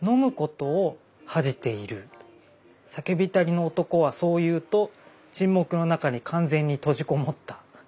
「酒びたりの男はそう言うと沈黙のなかに完全に閉じこもった。